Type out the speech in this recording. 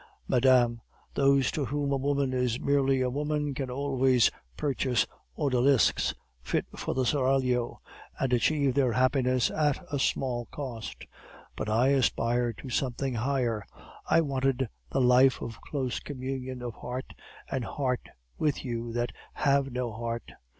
Madame, those to whom a woman is merely a woman can always purchase odalisques fit for the seraglio, and achieve their happiness at a small cost. But I aspired to something higher; I wanted the life of close communion of heart and heart with you that have no heart.